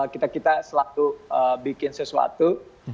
kita selalu bikin sesuatu